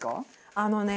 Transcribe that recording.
あのね